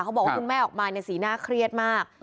เขาบอกว่าคุณแม่ออกมาเนี่ยสีหน้าเครียดมาก